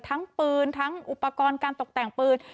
ทั้งปืนทั้งอุปกรณ์การตกแต่งปืน